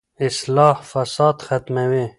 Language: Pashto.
اصلاح فساد ختموي.